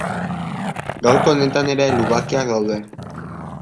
Gaurko honetan ere lubakiak daude.